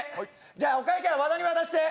じゃあお会計は和田に渡して。